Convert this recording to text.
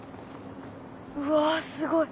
うわすごい！